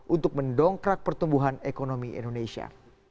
untuk mendongkrak pertumbuhan ekonomi indonesia